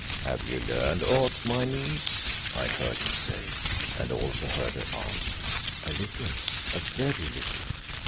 "Have you learned aught, my niece?" I heard him say, and also heard her answer "A little. A very little."